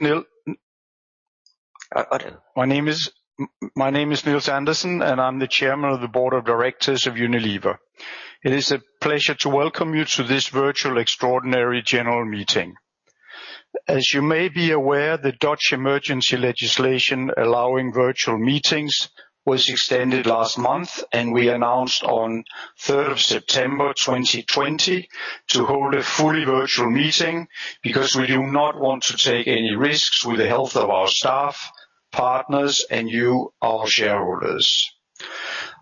Nils. I did. My name is Nils Andersen. I'm the Chairman of the Board of Directors of Unilever. It is a pleasure to welcome you to this virtual extraordinary general meeting. As you may be aware, the Dutch emergency legislation allowing virtual meetings was extended last month, and we announced on 3rd of September 2020 to hold a fully virtual meeting because we do not want to take any risks with the health of our staff, partners, and you, our shareholders.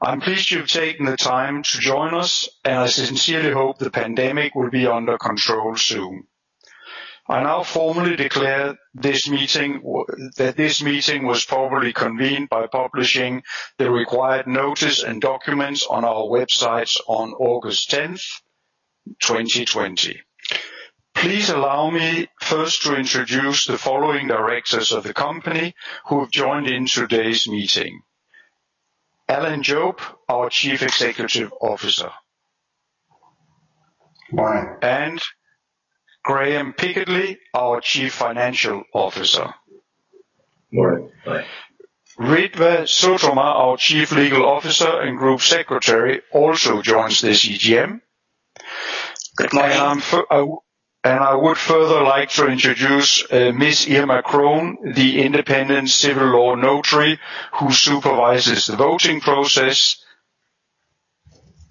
I'm pleased you've taken the time to join us, and I sincerely hope the pandemic will be under control soon. I now formally declare that this meeting was properly convened by publishing the required notice and documents on our websites on August 10th, 2020. Please allow me first to introduce the following directors of the company who have joined in today's meeting. Alan Jope, our Chief Executive Officer. Morning. Graeme Pitkethly, our Chief Financial Officer. Morning. Ritva Sotamaa, our chief legal officer and group secretary, also joins this EGM. I would further like to introduce Ms. Irma Kroon, the independent civil law notary who supervises the voting process,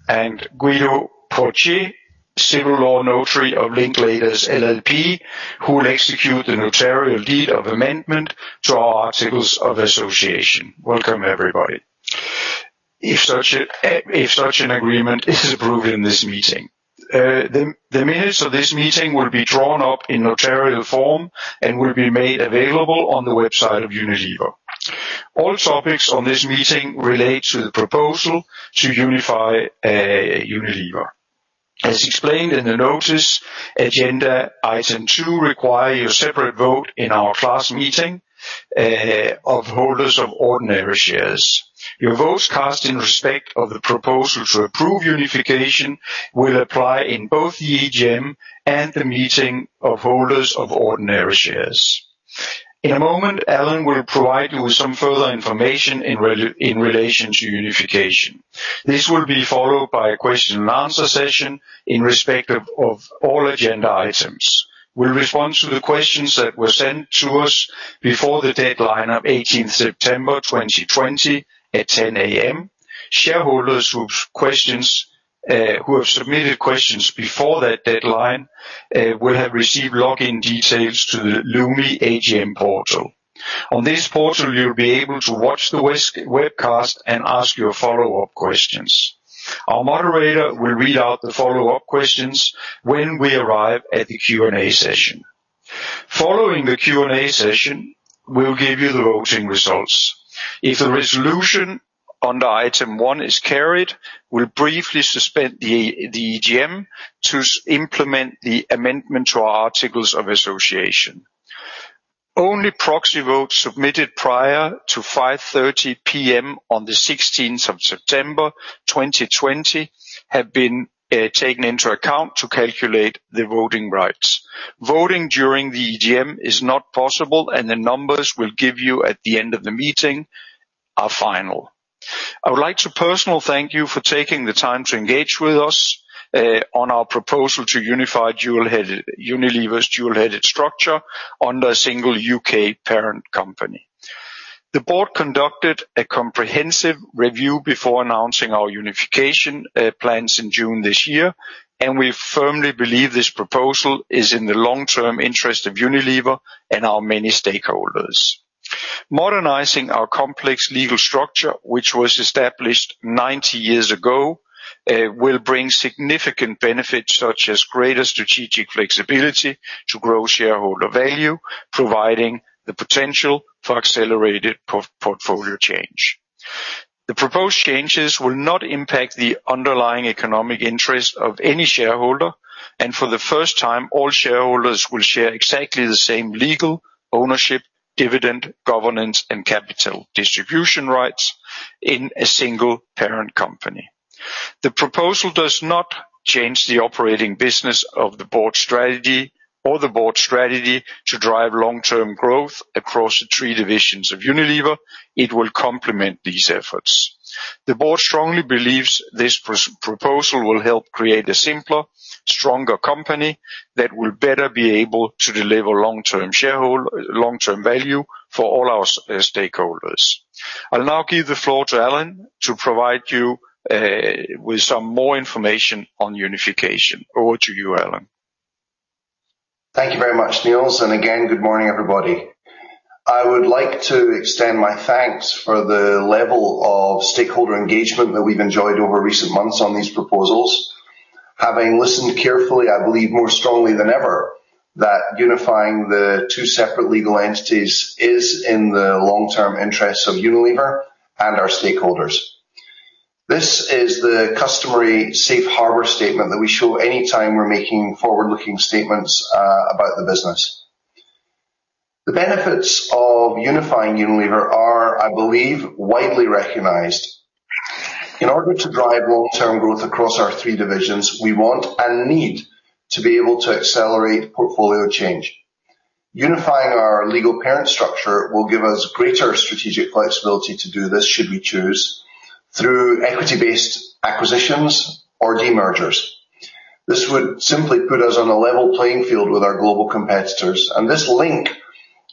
and Guido Portier, civil law notary of Linklaters LLP, who will execute the notarial deed of amendment to our articles of association. Welcome, everybody. If such an agreement is approved in this meeting, the minutes of this meeting will be drawn up in notarial form and will be made available on the website of Unilever. All topics on this meeting relate to the proposal to unify Unilever. As explained in the notice, agenda item two require your separate vote in our class meeting of holders of ordinary shares. Your votes cast in respect of the proposal to approve unification will apply in both the EGM and the meeting of holders of ordinary shares. In a moment, Alan will provide you with some further information in relation to unification. This will be followed by a question and answer session in respect of all agenda items. We will respond to the questions that were sent to us before the deadline of 18th September 2020 at 10:00 A.M. Shareholders who have submitted questions before that deadline will have received login details to the Lumi AGM portal. On this portal, you will be able to watch the webcast and ask your follow-up questions. Our moderator will read out the follow-up questions when we arrive at the Q&A session. Following the Q&A session, we will give you the voting results. If the resolution under item one is carried, we will briefly suspend the EGM to implement the amendment to our articles of association. Only proxy votes submitted prior to 5:30 P.M. on the 16th of September 2020 have been taken into account to calculate the voting rights. The numbers we'll give you at the end of the meeting are final. I would like to personally thank you for taking the time to engage with us on our proposal to unify Unilever's dual-headed structure under a single UK parent company. The board conducted a comprehensive review before announcing our unification plans in June this year. We firmly believe this proposal is in the long-term interest of Unilever and our many stakeholders. Modernizing our complex legal structure, which was established 90 years ago, will bring significant benefits such as greater strategic flexibility to grow shareholder value, providing the potential for accelerated portfolio change. The proposed changes will not impact the underlying economic interest of any shareholder, and for the first time, all shareholders will share exactly the same legal, ownership, dividend, governance, and capital distribution rights in a single parent company. The proposal does not change the operating business of the board strategy or the board strategy to drive long-term growth across the three divisions of Unilever. It will complement these efforts. The board strongly believes this proposal will help create a simpler, stronger company that will better be able to deliver long-term value for all our stakeholders. I'll now give the floor to Alan to provide you with some more information on unification. Over to you, Alan. Thank you very much, Nils. Again, good morning, everybody. I would like to extend my thanks for the level of stakeholder engagement that we've enjoyed over recent months on these proposals. Having listened carefully, I believe more strongly than ever that unifying the two separate legal entities is in the long-term interests of Unilever and our stakeholders. This is the customary safe harbor statement that we show anytime we're making forward-looking statements about the business. The benefits of unifying Unilever are, I believe, widely recognized. In order to drive long-term growth across our three divisions, we want and need to be able to accelerate portfolio change. Unifying our legal parent structure will give us greater strategic flexibility to do this, should we choose, through equity-based acquisitions or demergers. This would simply put us on a level playing field with our global competitors, and this link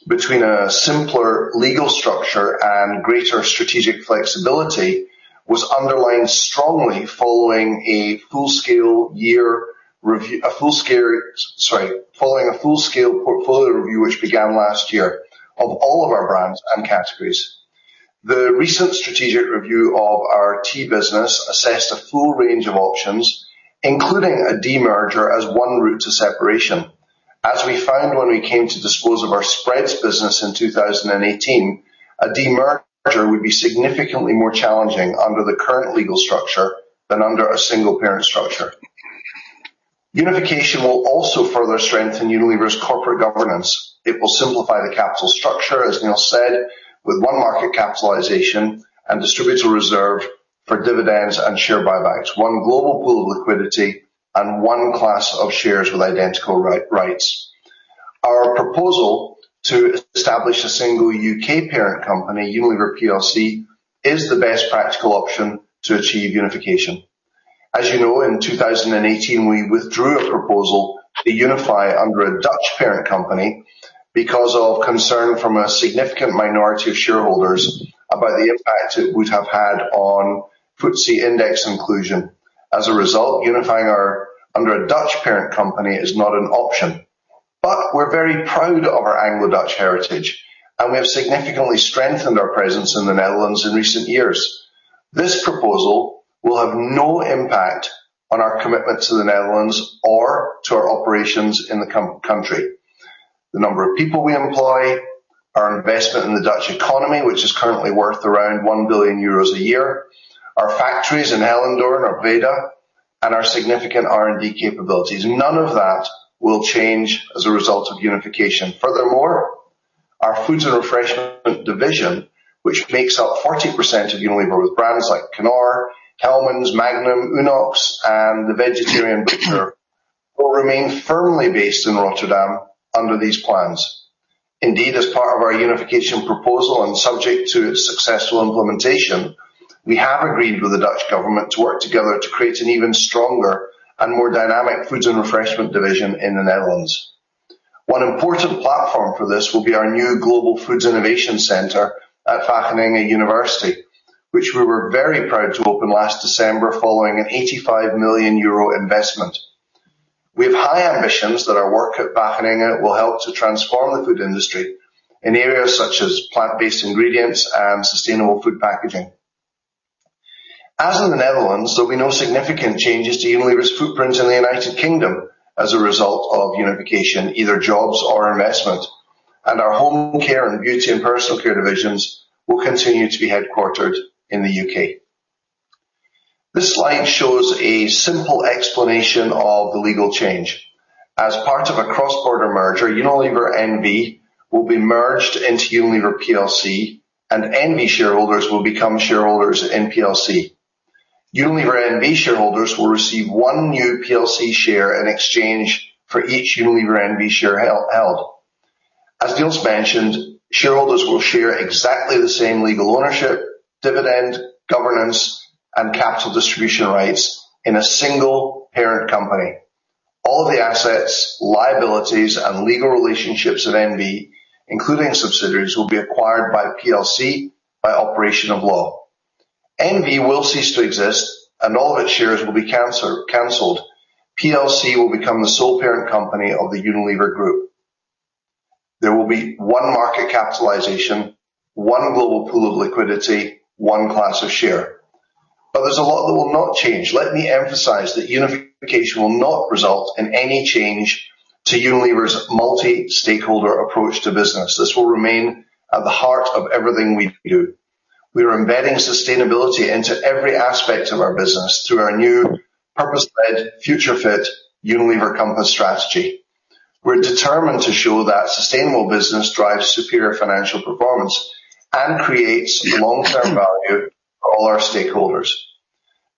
between a simpler legal structure and greater strategic flexibility was underlined strongly following a full-scale portfolio review, which began last year, of all of our brands and categories. The recent strategic review of our Tea business assessed a full range of options, including a demerger as one route to separation. As we found when we came to dispose of our spreads business in 2018, a demerger would be significantly more challenging under the current legal structure than under a single parent structure. Unification will also further strengthen Unilever's corporate governance. It will simplify the capital structure, as Nils said, with one market capitalization and distributable reserve for dividends and share buybacks, one global pool of liquidity, and one class of shares with identical rights. Our proposal to establish a single U.K. parent company, Unilever PLC, is the best practical option to achieve unification. As you know, in 2018, we withdrew a proposal to unify under a Dutch parent company because of concern from a significant minority of shareholders about the impact it would have had on FTSE index inclusion. As a result, unifying under a Dutch parent company is not an option. We're very proud of our Anglo-Dutch heritage, and we have significantly strengthened our presence in the Netherlands in recent years. This proposal will have no impact on our commitment to the Netherlands or to our operations in the country. The number of people we employ, our investment in the Dutch economy, which is currently worth around 1 billion euros a year, our factories in Helmond and Waalwijk, and our significant R&D capabilities. None of that will change as a result of unification. Our foods and refreshment division, which makes up 40% of Unilever with brands like Knorr, Hellmann's, Magnum, Unox, and The Vegetarian Butcher, will remain firmly based in Rotterdam under these plans. As part of our unification proposal and subject to its successful implementation, we have agreed with the Dutch government to work together to create an even stronger and more dynamic foods and refreshment division in the Netherlands. One important platform for this will be our new Global Foods Innovation Center at Wageningen University, which we were very proud to open last December following an 85 million euro investment. We have high ambitions that our work at Wageningen will help to transform the food industry in areas such as plant-based ingredients and sustainable food packaging. As in the Netherlands, there'll be no significant changes to Unilever's footprint in the United Kingdom as a result of unification, either jobs or investment, and our home care and beauty and personal care divisions will continue to be headquartered in the U.K. This slide shows a simple explanation of the legal change. As part of a cross-border merger, Unilever N.V. will be merged into Unilever PLC, and N.V. shareholders will become shareholders in PLC. Unilever N.V. shareholders will receive one new PLC share in exchange for each Unilever N.V. share held. As Nils's mentioned, shareholders will share exactly the same legal ownership, dividend, governance, and capital distribution rights in a single parent company. All of the assets, liabilities, and legal relationships of N.V., including subsidiaries, will be acquired by PLC by operation of law. N.V. will cease to exist, and all of its shares will be canceled. PLC will become the sole parent company of the Unilever Group. There will be one market capitalization, one global pool of liquidity, one class of share. There's a lot that will not change. Let me emphasize that unification will not result in any change to Unilever's multi-stakeholder approach to business. This will remain at the heart of everything we do. We are embedding sustainability into every aspect of our business through our new purpose-led, future-fit Unilever Compass strategy. We're determined to show that sustainable business drives superior financial performance and creates long-term value for all our stakeholders.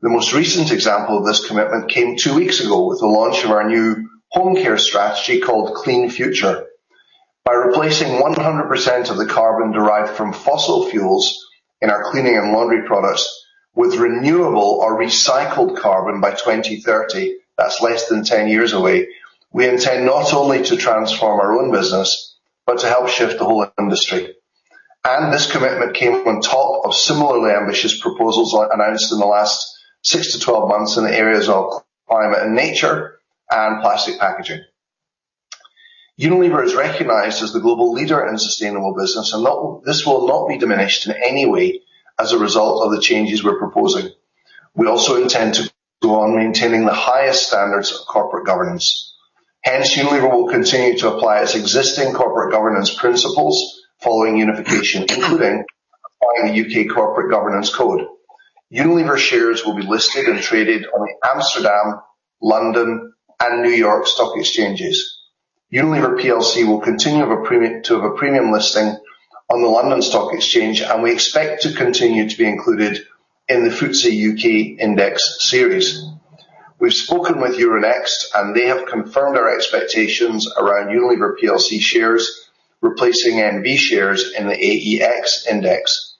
The most recent example of this commitment came two weeks ago with the launch of our new home care strategy called Clean Future. By replacing 100% of the carbon derived from fossil fuels in our cleaning and laundry products with renewable or recycled carbon by 2030, that's less than 10 years away, we intend not only to transform our own business, but to help shift the whole industry. This commitment came on top of similarly ambitious proposals announced in the last six to 12 months in the areas of climate and nature and plastic packaging. Unilever is recognized as the global leader in sustainable business, and this will not be diminished in any way as a result of the changes we're proposing. We also intend to go on maintaining the highest standards of corporate governance. Hence, Unilever will continue to apply its existing corporate governance principles following unification, including applying the UK Corporate Governance Code. Unilever shares will be listed and traded on the Amsterdam, London, and New York stock exchanges. Unilever PLC will continue to have a premium listing on the London Stock Exchange, and we expect to continue to be included in the FTSE UK index series. We've spoken with Euronext, and they have confirmed our expectations around Unilever PLC shares replacing NV shares in the AEX index.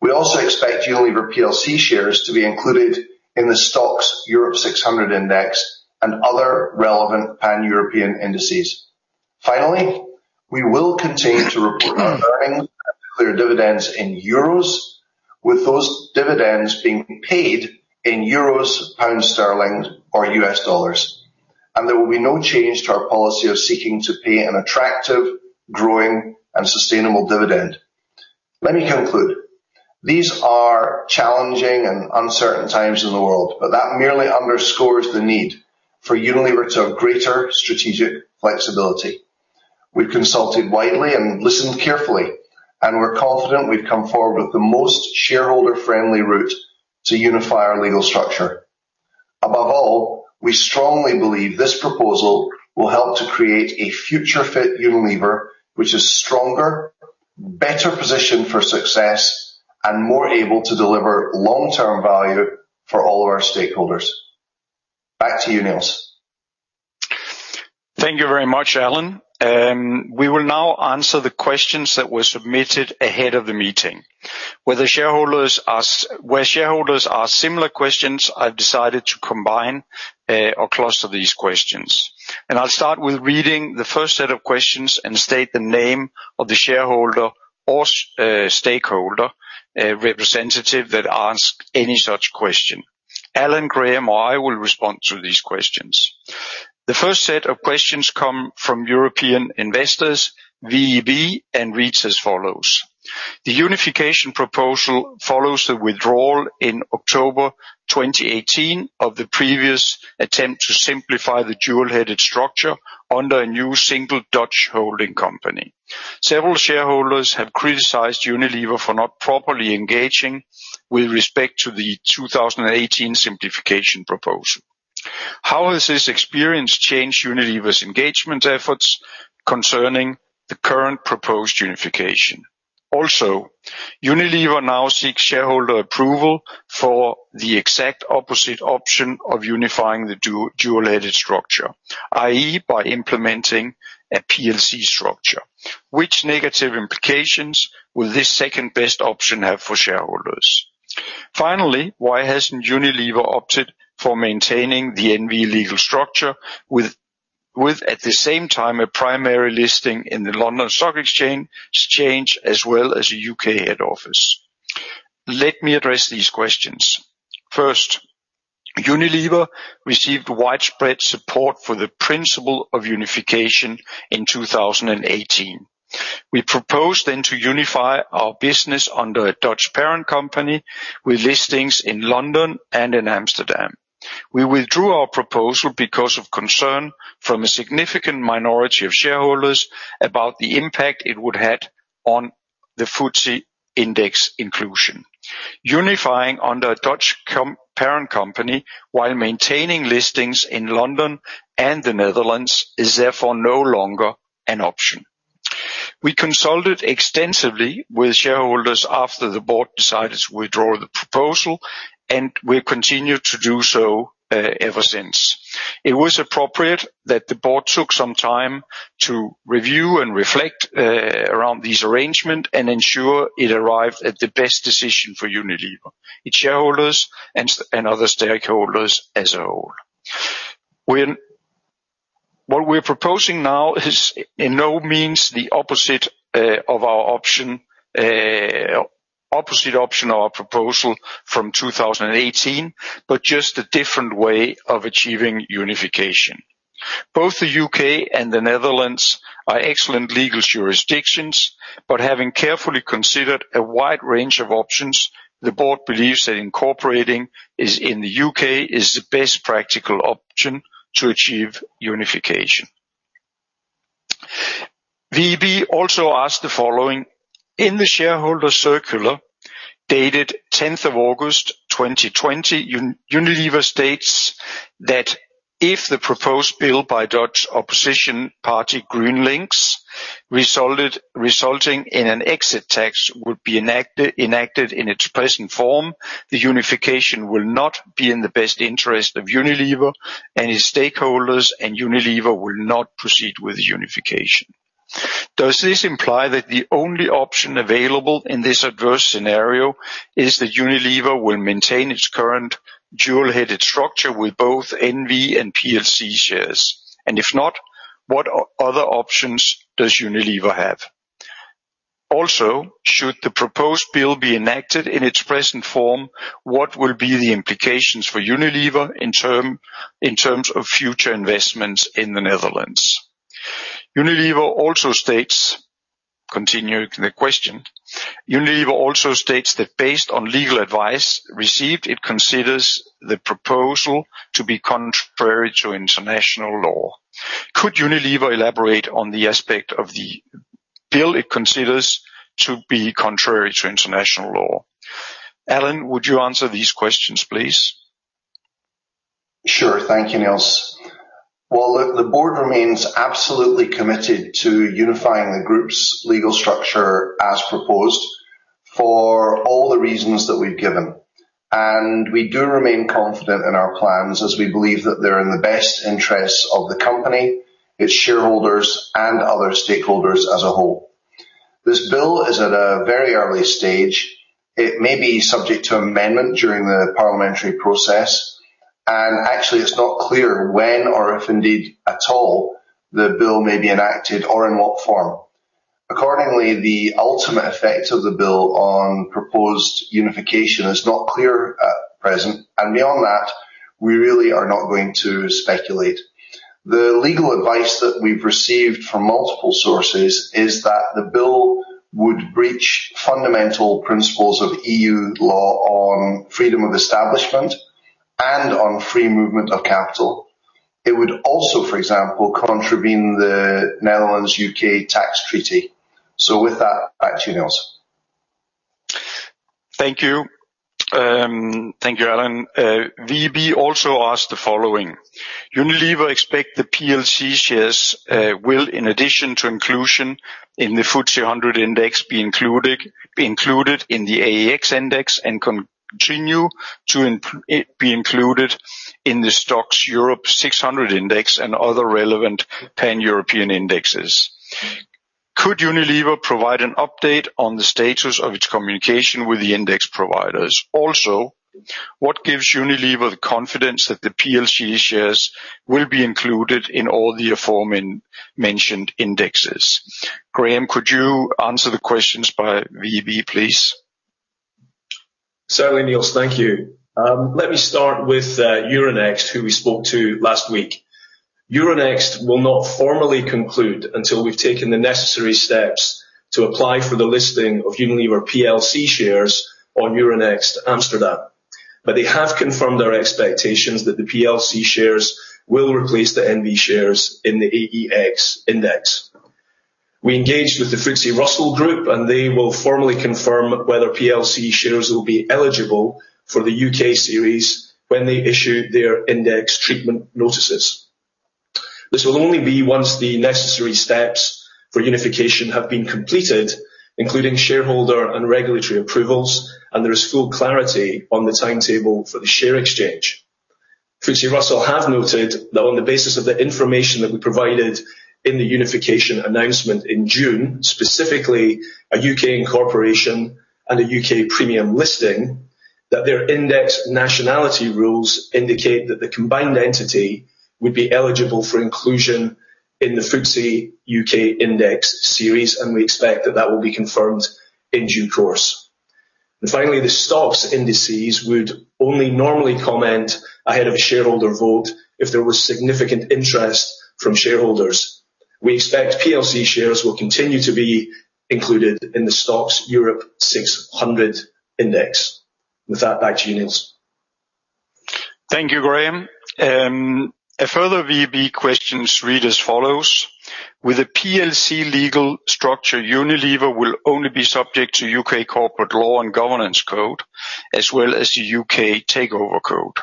We also expect Unilever PLC shares to be included in the STOXX Europe 600 index and other relevant Pan-European indices. Finally, we will continue to report our earnings and declare dividends in euros, with those dividends being paid in euros, pound sterling, or US dollars, and there will be no change to our policy of seeking to pay an attractive, growing and sustainable dividend. Let me conclude. These are challenging and uncertain times in the world, but that merely underscores the need for Unilever to have greater strategic flexibility. We've consulted widely and listened carefully, and we're confident we've come forward with the most shareholder-friendly route to unify our legal structure. Above all, we strongly believe this proposal will help to create a future-fit Unilever, which is stronger, better positioned for success, and more able to deliver long-term value for all of our stakeholders. Back to you, Nils. Thank you very much, Alan. We will now answer the questions that were submitted ahead of the meeting. Where shareholders ask similar questions, I've decided to combine or cluster these questions, and I'll start with reading the first set of questions and state the name of the shareholder or stakeholder representative that asked any such question. Alan, Graeme, or I will respond to these questions. The first set of questions come from European Investors-VEB, and reads as follows: "The unification proposal follows the withdrawal in October 2018 of the previous attempt to simplify the dual-headed structure under a new single Dutch holding company. Several shareholders have criticized Unilever for not properly engaging with respect to the 2018 simplification proposal. How has this experience changed Unilever's engagement efforts concerning the current proposed unification? Unilever now seeks shareholder approval for the exact opposite option of unifying the dual-headed structure, i.e., by implementing a PLC structure. Which negative implications will this second-best option have for shareholders? Why hasn't Unilever opted for maintaining the N.V. legal structure with, at the same time, a primary listing in the London Stock Exchange, as well as a U.K. head office? Let me address these questions. Unilever received widespread support for the principle of unification in 2018. We proposed then to unify our business under a Dutch parent company with listings in London and in Amsterdam. We withdrew our proposal because of concern from a significant minority of shareholders about the impact it would have on the FTSE index inclusion. Unifying under a Dutch parent company while maintaining listings in London and the Netherlands is therefore no longer an option. We consulted extensively with shareholders after the board decided to withdraw the proposal, and we have continued to do so ever since. It was appropriate that the board took some time to review and reflect around this arrangement and ensure it arrived at the best decision for Unilever, its shareholders, and other stakeholders as a whole. What we're proposing now is in no means the opposite option of our proposal from 2018, but just a different way of achieving unification. Both the UK and the Netherlands are excellent legal jurisdictions, but having carefully considered a wide range of options, the board believes that incorporating in the UK is the best practical option to achieve unification. VEB also asked the following: "In the shareholder circular dated 10th of August 2020, Unilever states that if the proposed bill by Dutch opposition party, GroenLinks, resulting in an exit tax would be enacted in its present form, the unification will not be in the best interest of Unilever and its stakeholders, and Unilever will not proceed with the unification. Does this imply that the only option available in this adverse scenario is that Unilever will maintain its current dual-headed structure with both NV and PLC shares? If not, what other options does Unilever have? Should the proposed bill be enacted in its present form, what will be the implications for Unilever in terms of future investments in the Netherlands? Continuing the question, "Unilever also states that based on legal advice received, it considers the proposal to be contrary to international law. Could Unilever elaborate on the aspect of the bill it considers to be contrary to international law. Alan, would you answer these questions, please? Sure. Thank you, Nils. Well, look, the board remains absolutely committed to unifying the group's legal structure as proposed for all the reasons that we've given. We do remain confident in our plans as we believe that they're in the best interests of the company, its shareholders, and other stakeholders as a whole. This bill is at a very early stage. It may be subject to amendment during the parliamentary process. Actually, it's not clear when or if indeed at all, the bill may be enacted or in what form. Accordingly, the ultimate effect of the bill on proposed unification is not clear at present. Beyond that, we really are not going to speculate. The legal advice that we've received from multiple sources is that the bill would breach fundamental principles of EU law on freedom of establishment and on free movement of capital. It would also, for example, contravene the Netherlands/U.K. tax treaty. With that, back to you, Nils. Thank you. Thank you, Alan. VEB also asked the following, "Unilever expect the PLC shares will, in addition to inclusion in the FTSE 100 index, be included in the AEX index, and continue to be included in the STOXX Europe 600 index and other relevant pan-European indexes. Could Unilever provide an update on the status of its communication with the index providers? Also, what gives Unilever the confidence that the PLC shares will be included in all the aforementioned indexes?" Graeme, could you answer the questions by VEB, please? Certainly, Nils. Thank you. Let me start with Euronext, who we spoke to last week. Euronext will not formally conclude until we've taken the necessary steps to apply for the listing of Unilever PLC shares on Euronext Amsterdam, but they have confirmed our expectations that the PLC shares will replace the N.V. shares in the AEX index. We engaged with the FTSE Russell group, and they will formally confirm whether PLC shares will be eligible for the U.K. series when they issue their index treatment notices. This will only be once the necessary steps for unification have been completed, including shareholder and regulatory approvals, and there is full clarity on the timetable for the share exchange. FTSE Russell have noted that on the basis of the information that we provided in the unification announcement in June, specifically a U.K. incorporation and a U.K. premium listing, that their index nationality rules indicate that the combined entity would be eligible for inclusion in the FTSE U.K. index series, and we expect that that will be confirmed in due course. Finally, the STOXX indices would only normally comment ahead of a shareholder vote if there was significant interest from shareholders. We expect PLC shares will continue to be included in the STOXX Europe 600 index. With that, back to you, Nils. Thank you, Graeme. A further VEB question reads as follows, "With a PLC legal structure, Unilever will only be subject to U.K. corporate law and the U.K. Corporate Governance Code, as well as the U.K. Takeover Code.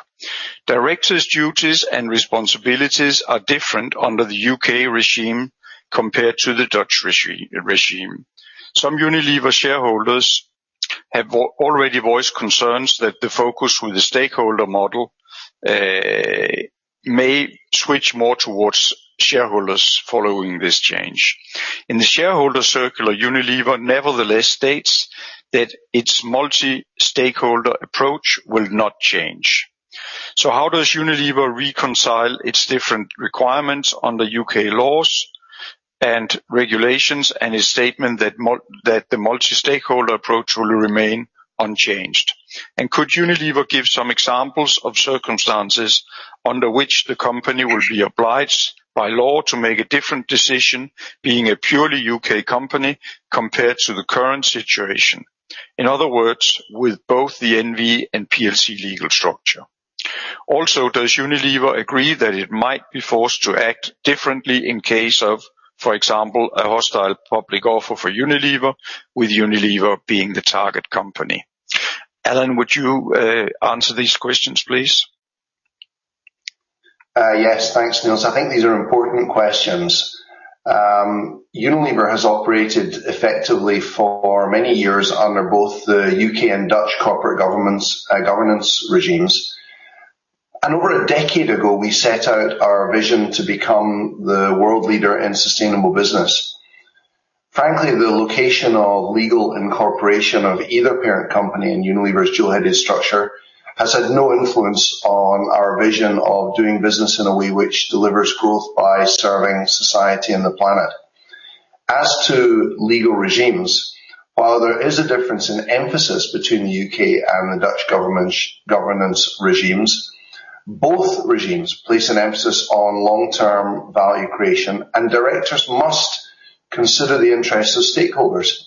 Directors' duties and responsibilities are different under the U.K. regime compared to the Dutch regime. Some Unilever shareholders have already voiced concerns that the focus with the stakeholder model may switch more towards shareholders following this change. In the shareholder circular, Unilever nevertheless states that its multi-stakeholder approach will not change. How does Unilever reconcile its different requirements under U.K. laws and regulations and a statement that the multi-stakeholder approach will remain unchanged? Could Unilever give some examples of circumstances under which the company will be obliged by law to make a different decision, being a purely U.K. company compared to the current situation? In other words, with both the NV and PLC legal structure. Does Unilever agree that it might be forced to act differently in case of, for example, a hostile public offer for Unilever, with Unilever being the target company? Alan, would you answer these questions, please? Yes. Thanks, Nils. I think these are important questions. Unilever has operated effectively for many years under both the U.K. and Dutch corporate governance regimes. Over a decade ago, we set out our vision to become the world leader in sustainable business. Frankly, the location of legal incorporation of either parent company in Unilever's dual-headed structure has had no influence on our vision of doing business in a way which delivers growth by serving society and the planet. As to legal regimes, while there is a difference in emphasis between the U.K. and the Dutch governance regimes, both regimes place an emphasis on long-term value creation, and directors must consider the interests of stakeholders.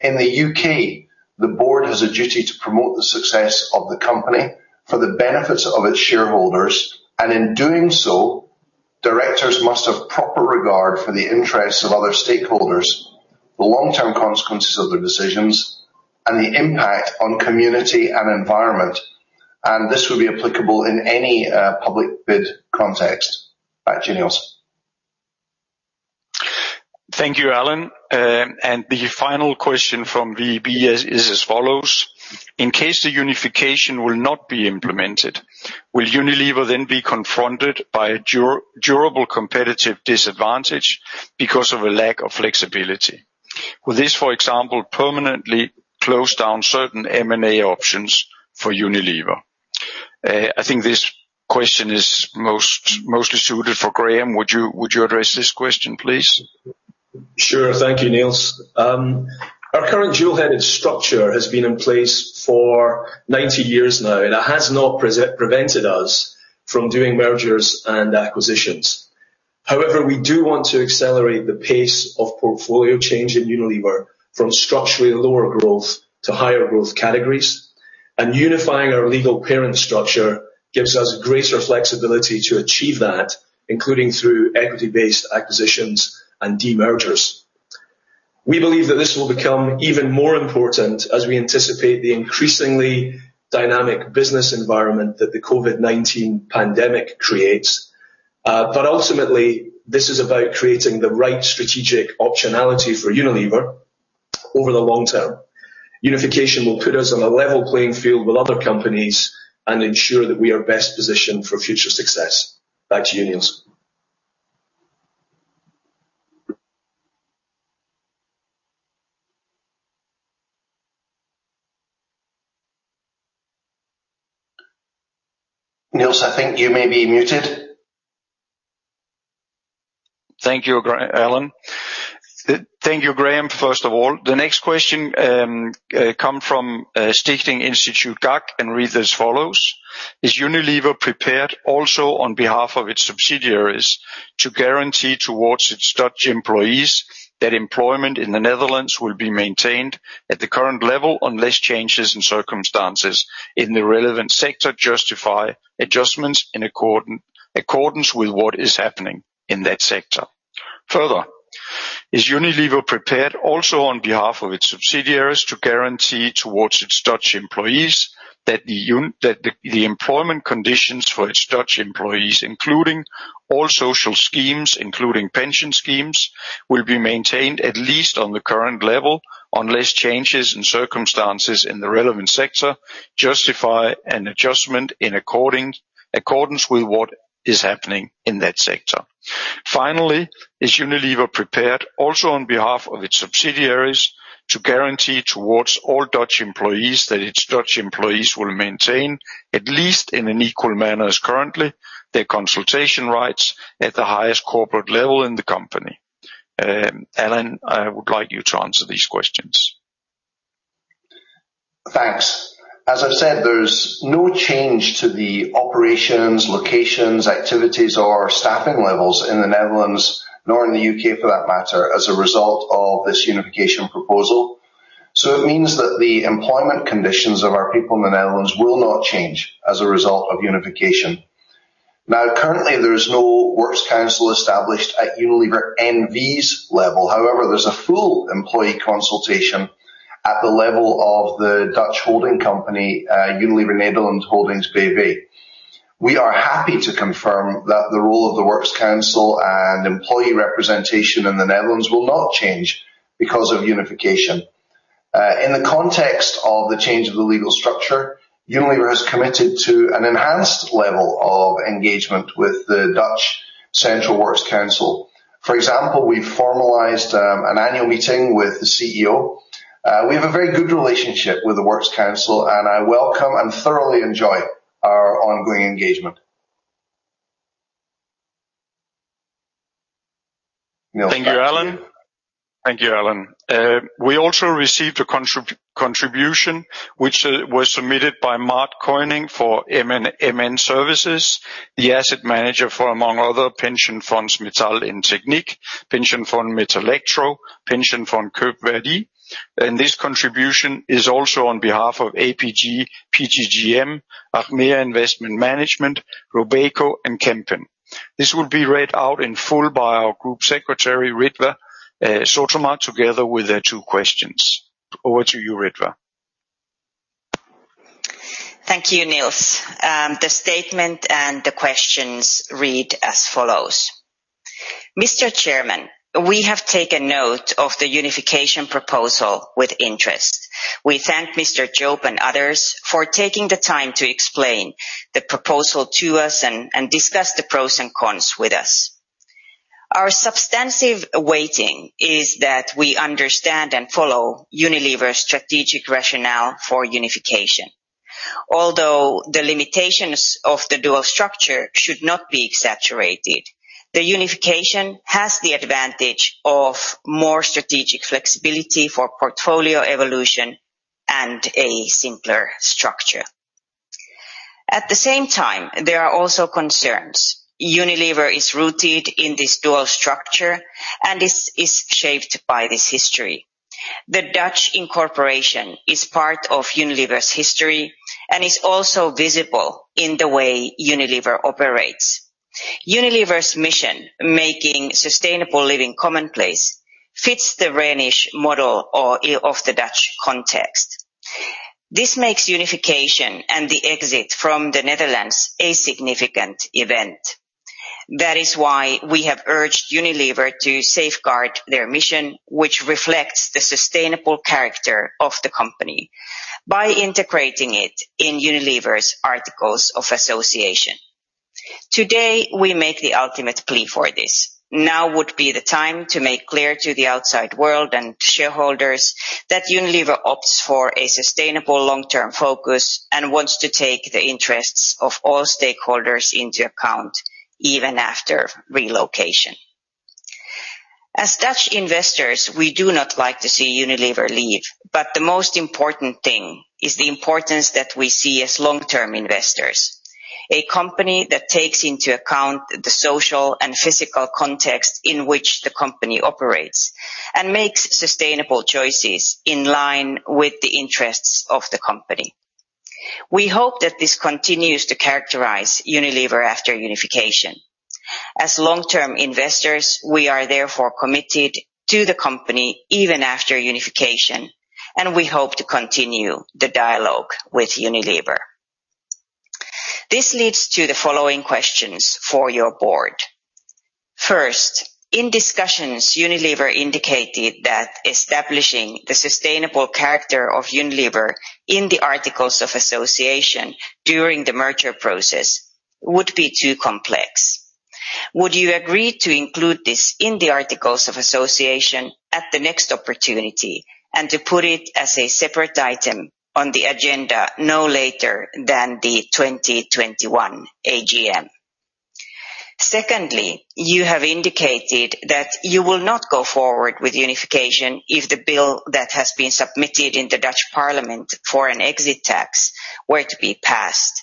In the U.K., the board has a duty to promote the success of the company for the benefits of its shareholders, and in doing so, directors must have proper regard for the interests of other stakeholders, the long-term consequences of their decisions, and the impact on community and environment, and this will be applicable in any public bid context. Back to you, Nils. Thank you, Alan. The final question from VEB is as follows, in case the unification will not be implemented, will Unilever then be confronted by a durable competitive disadvantage because of a lack of flexibility? Will this, for example, permanently close down certain M&A options for Unilever? I think this question is mostly suited for Graeme. Would you address this question please? Sure. Thank you, Nils. Our current dual-headed structure has been in place for 90 years now, and it has not prevented us from doing mergers and acquisitions. However, we do want to accelerate the pace of portfolio change in Unilever from structurally lower growth to higher growth categories, and unifying our legal parent structure gives us greater flexibility to achieve that, including through equity-based acquisitions and de-mergers. We believe that this will become even more important as we anticipate the increasingly dynamic business environment that the COVID-19 pandemic creates. Ultimately, this is about creating the right strategic optionality for Unilever over the long term. Unification will put us on a level playing field with other companies and ensure that we are best positioned for future success. Back to you, Nils. Nils, I think you may be muted. Thank you, Alan. Thank you, Graeme, first of all. The next question comes from Stichting Instituut Gak, read as follows. Is Unilever prepared also on behalf of its subsidiaries to guarantee towards its Dutch employees that employment in the Netherlands will be maintained at the current level unless changes in circumstances in the relevant sector justify adjustments in accordance with what is happening in that sector. Is Unilever prepared also on behalf of its subsidiaries, to guarantee towards its Dutch employees that the employment conditions for its Dutch employees, including all social schemes, including pension schemes, will be maintained at least on the current level, unless changes in circumstances in the relevant sector justify an adjustment in accordance with what is happening in that sector. Finally, is Unilever prepared also on behalf of its subsidiaries, to guarantee towards all Dutch employees that its Dutch employees will maintain, at least in an equal manner as currently, their consultation rights at the highest corporate level in the company? Alan, I would like you to answer these questions. Thanks. As I've said, there's no change to the operations, locations, activities, or staffing levels in the Netherlands, nor in the U.K. for that matter, as a result of this unification proposal. It means that the employment conditions of our people in the Netherlands will not change as a result of unification. Currently, there is no works council established at Unilever N.V.'s level. There's a full employee consultation at the level of the Dutch holding company, Unilever Nederland Holdings B.V. We are happy to confirm that the role of the works council and employee representation in the Netherlands will not change because of unification. In the context of the change of the legal structure, Unilever has committed to an enhanced level of engagement with the Dutch Central Works Council. For example, we formalized an annual meeting with the CEO. We have a very good relationship with the Works Council, and I welcome and thoroughly enjoy our ongoing engagement. Nils. Thank you, Alan. We also received a contribution, which was submitted by Mart Koning for MN Services, the asset manager for, among other pension funds, Metaal en Techniek, Pension Fund Metalektro, Pension Fund Koopvaardij, and this contribution is also on behalf of APG, PGGM, Achmea Investment Management, Robeco, and Kempen. This will be read out in full by our Group Secretary, Ritva Sotamaa, together with her two questions. Over to you, Ritva. Thank you, Nils. The statement and the questions read as follows. Mr. Chairman, we have taken note of the unification proposal with interest. We thank Mr. Jope and others for taking the time to explain the proposal to us and discuss the pros and cons with us. Our substantive weighting is that we understand and follow Unilever's strategic rationale for unification. Although the limitations of the dual structure should not be exaggerated, the unification has the advantage of more strategic flexibility for portfolio evolution and a simpler structure. At the same time, there are also concerns. Unilever is rooted in this dual structure and is shaped by this history. The Dutch incorporation is part of Unilever's history and is also visible in the way Unilever operates. Unilever's mission, making sustainable living commonplace, fits the Rhenish model of the Dutch context. This makes unification and the exit from the Netherlands a significant event. That is why we have urged Unilever to safeguard their mission, which reflects the sustainable character of the company, by integrating it in Unilever's articles of association. Today, we make the ultimate plea for this. Now would be the time to make clear to the outside world and shareholders that Unilever opts for a sustainable long-term focus and wants to take the interests of all stakeholders into account, even after relocation. As Dutch investors, we do not like to see Unilever leave, but the most important thing is the importance that we see as long-term investors. A company that takes into account the social and physical context in which the company operates and makes sustainable choices in line with the interests of the company. We hope that this continues to characterize Unilever after unification. As long-term investors, we are therefore committed to the company even after unification, and we hope to continue the dialogue with Unilever. This leads to the following questions for your board. First, in discussions, Unilever indicated that establishing the sustainable character of Unilever in the articles of association during the merger process would be too complex. Would you agree to include this in the articles of association at the next opportunity, and to put it as a separate item on the agenda no later than the 2021 AGM? Secondly, you have indicated that you will not go forward with unification if the bill that has been submitted in the Dutch Parliament for an exit tax were to be passed.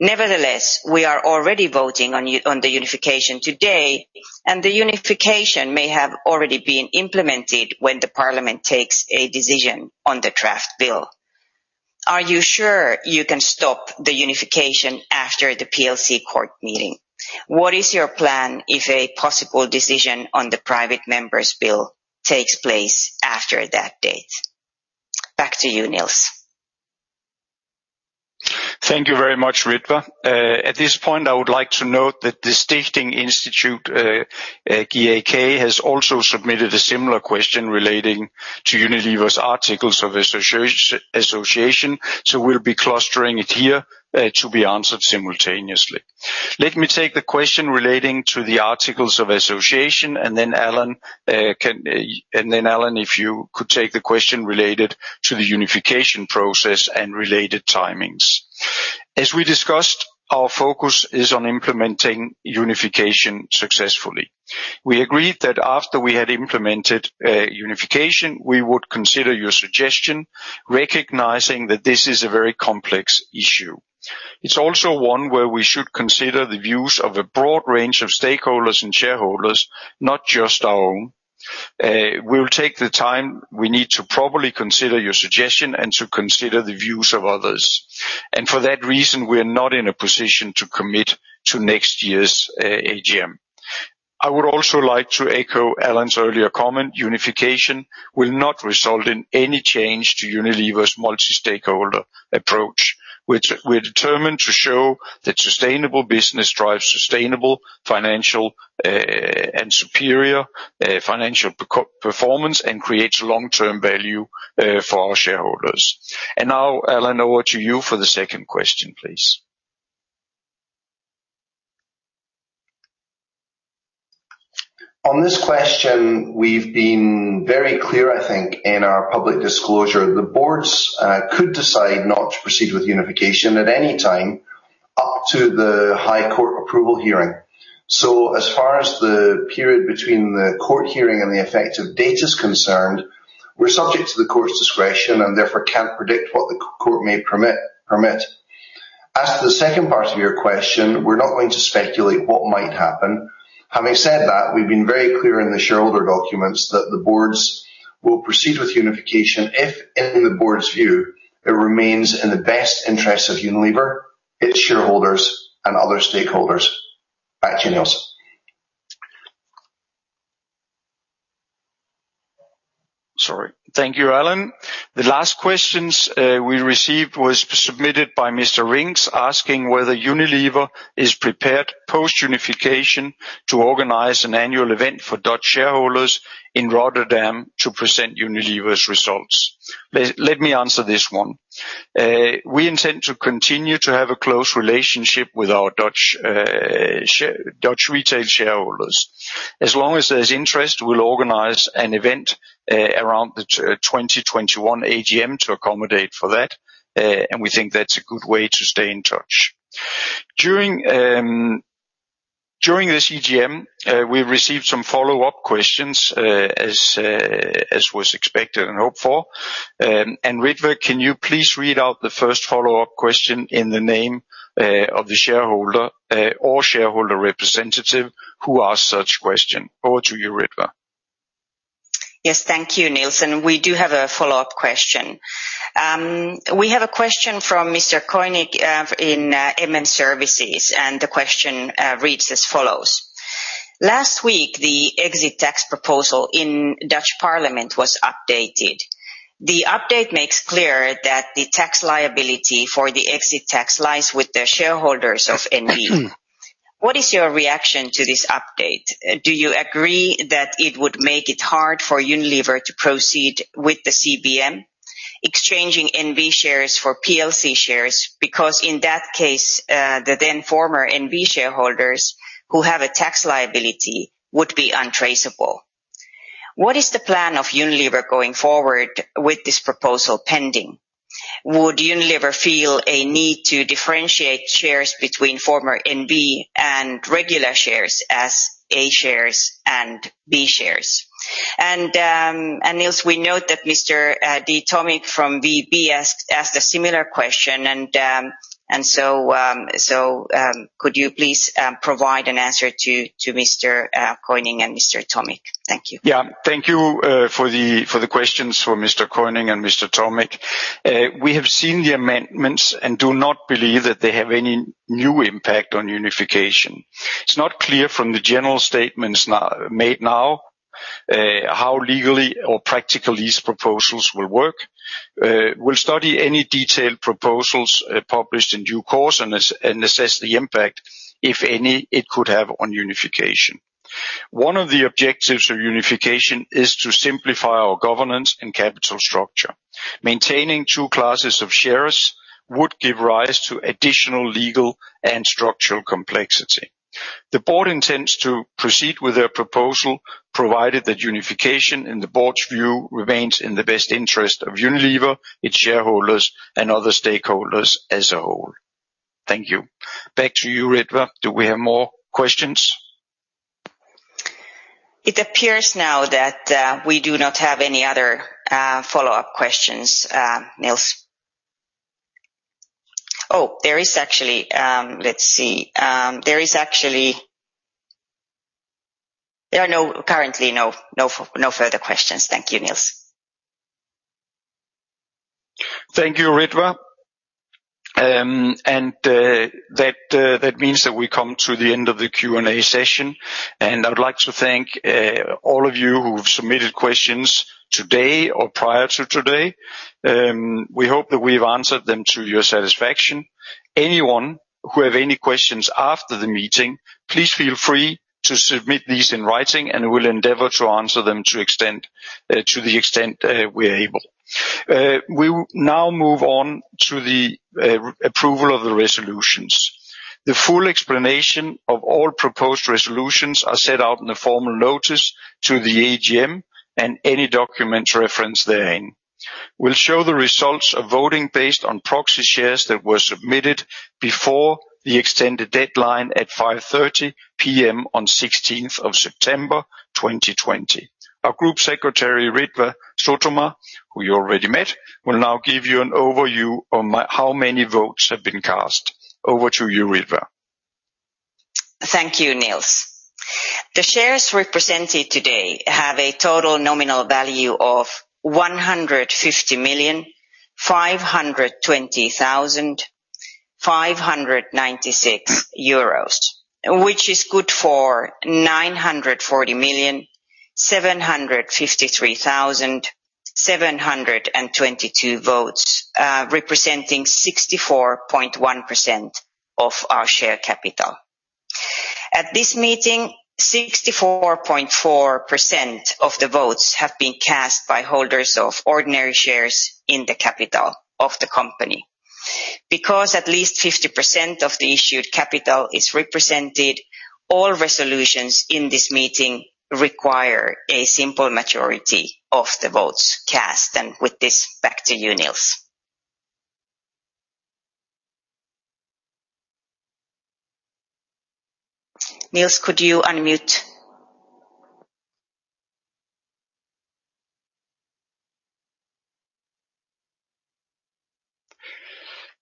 Nevertheless, we are already voting on the unification today, and the unification may have already been implemented when the Parliament takes a decision on the draft bill. Are you sure you can stop the unification after the PLC court meeting? What is your plan if a possible decision on the private member's bill takes place after that date? Back to you, Nils. Thank you very much, Ritva. At this point, I would like to note that the Stichting Instituut Gak has also submitted a similar question relating to Unilever's articles of association, so we'll be clustering it here to be answered simultaneously. Let me take the question relating to the articles of association, and then Alan, if you could take the question related to the unification process and related timings. As we discussed, our focus is on implementing unification successfully. We agreed that after we had implemented unification, we would consider your suggestion, recognizing that this is a very complex issue. It's also one where we should consider the views of a broad range of stakeholders and shareholders, not just our own. We will take the time we need to properly consider your suggestion and to consider the views of others. For that reason, we are not in a position to commit to next year's AGM. I would also like to echo Alan's earlier comment. Unification will not result in any change to Unilever's multi-stakeholder approach, which we are determined to show that sustainable business drives sustainable financial and superior financial performance and creates long-term value for our shareholders. Now, Alan, over to you for the second question, please. On this question, we've been very clear, I think, in our public disclosure. The boards could decide not to proceed with unification at any time up to the High Court approval hearing. As far as the period between the court hearing and the effective date is concerned, we're subject to the court's discretion and therefore can't predict what the court may permit. As to the second part of your question, we're not going to speculate what might happen. Having said that, we've been very clear in the shareholder documents that the boards will proceed with unification if in the board's view, it remains in the best interest of Unilever, its shareholders, and other stakeholders. Back to you, Nils. Sorry. Thank you, Alan. The last questions we received was submitted by Mr. Rings asking whether Unilever is prepared post-unification to organize an annual event for Dutch shareholders in Rotterdam to present Unilever's results. Let me answer this one. We intend to continue to have a close relationship with our Dutch retail shareholders. As long as there's interest, we'll organize an event around the 2021 AGM to accommodate for that. We think that's a good way to stay in touch. During this EGM, we received some follow-up questions, as was expected and hoped for. Ritva, can you please read out the first follow-up question in the name of the shareholder or shareholder representative who asked such question? Over to you, Ritva. Yes. Thank you, Nils. We do have a follow-up question. We have a question from Mr. Koning in MN Services, and the question reads as follows. "Last week, the exit tax proposal in Dutch parliament was updated. The update makes clear that the tax liability for the exit tax lies with the shareholders of NV. What is your reaction to this update? Do you agree that it would make it hard for Unilever to proceed with the CBM, exchanging NV shares for PLC shares, because in that case, the then former NV shareholders who have a tax liability would be untraceable. What is the plan of Unilever going forward with this proposal pending? Would Unilever feel a need to differentiate shares between former NV and regular shares as A shares and B shares?" Nils, we note that Mr. D. Tomic from VEB asked a similar question. Could you please provide an answer to Mr. Koning and Mr. Tomic? Thank you. Yeah. Thank you for the questions from Mr. Koning and Mr. Tomic. We have seen the amendments and do not believe that they have any new impact on unification. It's not clear from the general statements made now how legally or practically these proposals will work. We'll study any detailed proposals published in due course and assess the impact, if any, it could have on unification. One of the objectives of unification is to simplify our governance and capital structure. Maintaining two classes of shares would give rise to additional legal and structural complexity. The board intends to proceed with their proposal, provided that unification, in the board's view, remains in the best interest of Unilever, its shareholders, and other stakeholders as a whole. Thank you. Back to you, Ritva. Do we have more questions? It appears now that we do not have any other follow-up questions, Nils. Oh, there is actually. Let's see. There are currently no further questions. Thank you, Nils. Thank you, Ritva. That means that we come to the end of the Q&A session, and I would like to thank all of you who've submitted questions today or prior to today. We hope that we've answered them to your satisfaction. Anyone who have any questions after the meeting, please feel free to submit these in writing, and we'll endeavor to answer them to the extent we're able. We will now move on to the approval of the resolutions. The full explanation of all proposed resolutions are set out in the formal notice to the AGM and any documents referenced therein. We'll show the results of voting based on proxy shares that were submitted before the extended deadline at 5:30 P.M. on 16th of September 2020. Our group secretary, Ritva Sotamaa, who you already met, will now give you an overview on how many votes have been cast. Over to you, Ritva. Thank you, Nils. The shares represented today have a total nominal value of 150,520,596 euros, which is good for 940,753,722 votes, representing 64.1% of our share capital. At this meeting, 64.4% of the votes have been cast by holders of ordinary shares in the capital of the company. Because at least 50% of the issued capital is represented, all resolutions in this meeting require a simple majority of the votes cast. With this, back to you, Nils. Nils, could you unmute?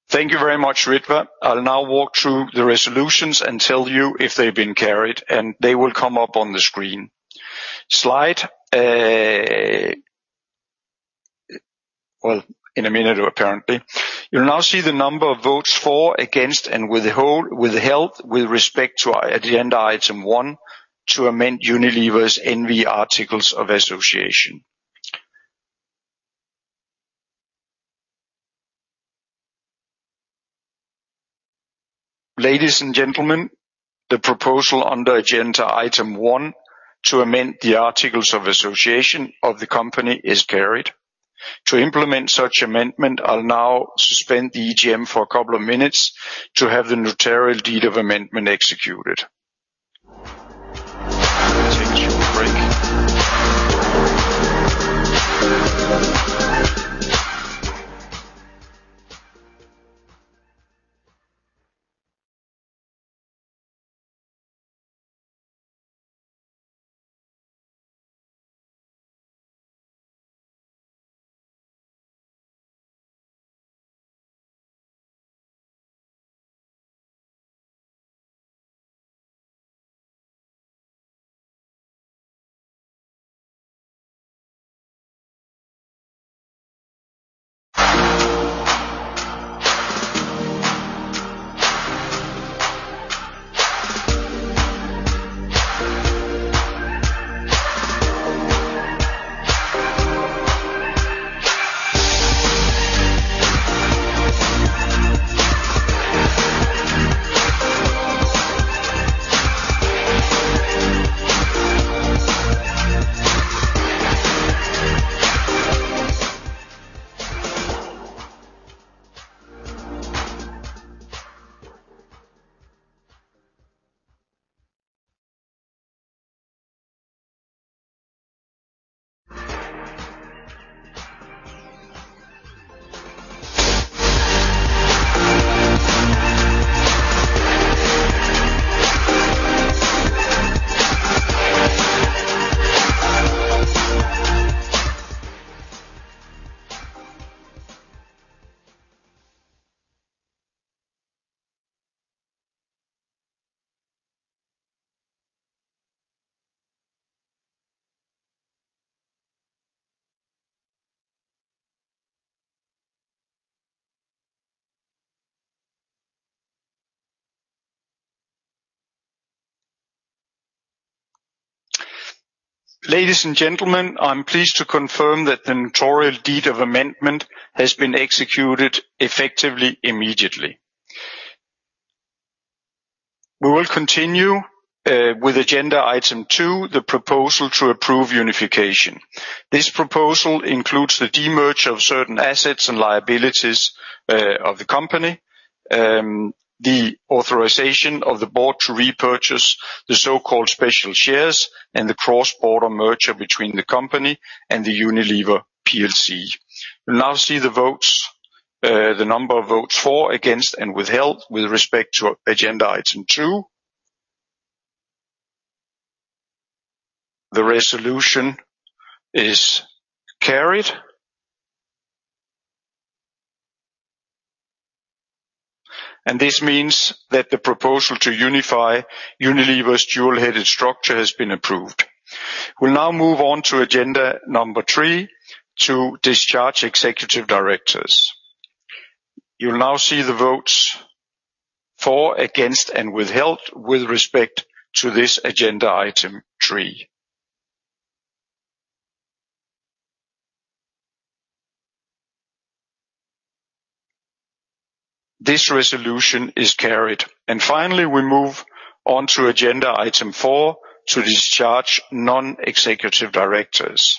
Thank you very much, Ritva. I'll now walk through the resolutions and tell you if they've been carried, and they will come up on the screen. Slide Well, in a minute apparently. You'll now see the number of votes for, against, and withheld with respect to agenda item one, to amend Unilever N.V.'s articles of association. Ladies and gentlemen, the proposal under agenda item one to amend the articles of association of the company is carried. To implement such amendment, I'll now suspend the EGM for a couple of minutes to have the notarial deed of amendment executed. Take a short break. Ladies and gentlemen, I'm pleased to confirm that the notarial deed of amendment has been executed effectively immediately. We will continue with agenda item two, the proposal to approve unification. This proposal includes the demerge of certain assets and liabilities of the company, the authorization of the board to repurchase the so-called special shares, and the cross-border merger between the company and the Unilever PLC. We now see the number of votes for, against, and withheld with respect to agenda item 2. The resolution is carried. This means that the proposal to unify Unilever's dual-headed structure has been approved. We'll now move on to agenda number three, to discharge executive directors. You'll now see the votes for, against, and withheld with respect to this agenda item 3. This resolution is carried. Finally, we move on to agenda item four, to discharge non-executive directors.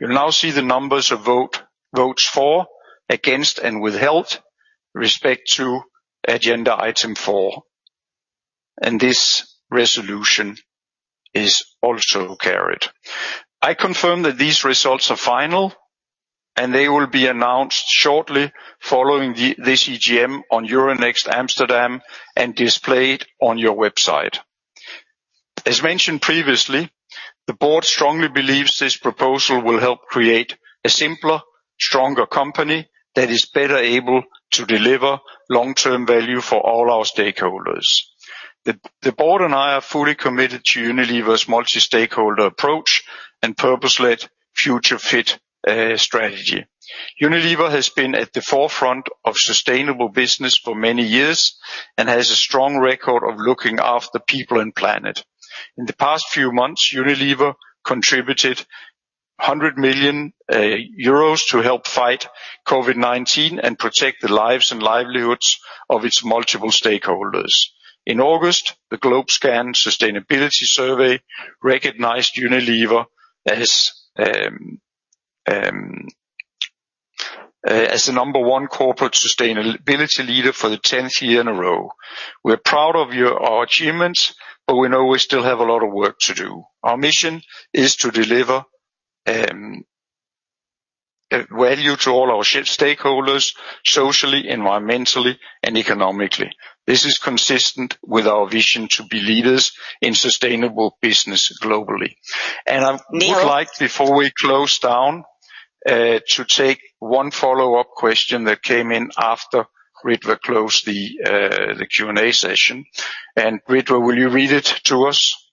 You'll now see the numbers of votes for, against, and withheld with respect to agenda item 4. This resolution is also carried. I confirm that these results are final, and they will be announced shortly following this EGM on Euronext Amsterdam and displayed on your website. As mentioned previously, the board strongly believes this proposal will help create a simpler, stronger company that is better able to deliver long-term value for all our stakeholders. The board and I are fully committed to Unilever's multi-stakeholder approach and purpose-led future fit strategy. Unilever has been at the forefront of sustainable business for many years and has a strong record of looking after people and planet. In the past few months, Unilever contributed 100 million euros to help fight COVID-19 and protect the lives and livelihoods of its multiple stakeholders. In August, the GlobeScan Sustainability Survey recognized Unilever as the number one corporate sustainability leader for the tenth year in a row. We are proud of our achievements, but we know we still have a lot of work to do. Our mission is to deliver value to all our stakeholders socially, environmentally, and economically. This is consistent with our vision to be leaders in sustainable business globally. I would like, before we close down, to take one follow-up question that came in after Ritva closed the Q&A session. Ritva, will you read it to us?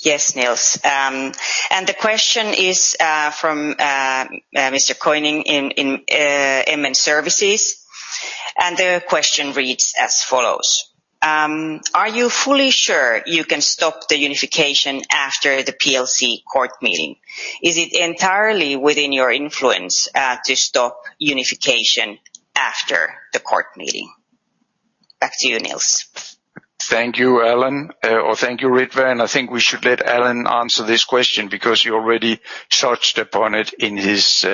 Yes, Nils. The question is from Mr. Koning in MN Services. The question reads as follows, "Are you fully sure you can stop the unification after the PLC court meeting? Is it entirely within your influence to stop unification after the court meeting?" Back to you, Nils. Thank you, Ritva, and I think we should let Alan answer this question because he already touched upon it in his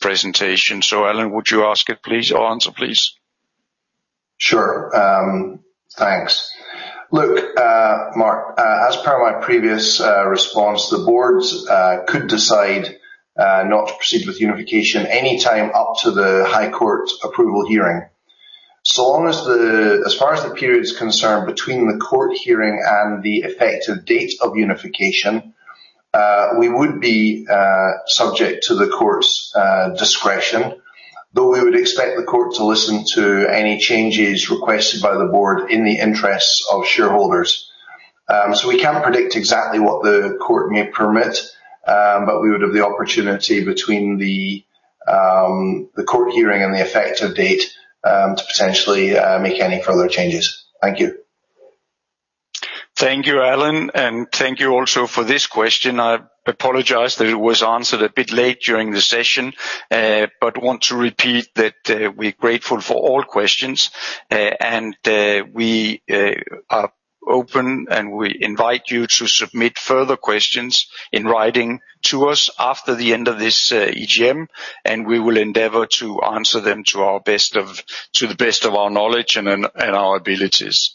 presentation. Alan, would you answer, please? Sure. Thanks. Look, Mark, as per my previous response, the boards could decide not to proceed with unification any time up to the High Court approval hearing. As far as the period is concerned between the court hearing and the effective date of unification, we would be subject to the court's discretion, though we would expect the court to listen to any changes requested by the board in the interests of shareholders. We can't predict exactly what the court may permit, but we would have the opportunity between the court hearing and the effective date to potentially make any further changes. Thank you. Thank you, Alan. Thank you also for this question. I apologize that it was answered a bit late during the session. Want to repeat that we're grateful for all questions. We are open and we invite you to submit further questions in writing to us after the end of this EGM. We will endeavor to answer them to the best of our knowledge and our abilities.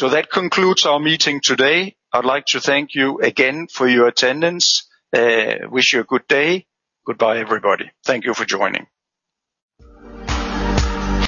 That concludes our meeting today. I'd like to thank you again for your attendance. Wish you a good day. Goodbye, everybody. Thank you for joining.